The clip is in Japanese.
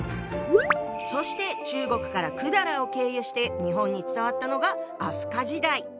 そして中国から百済を経由して日本に伝わったのが飛鳥時代。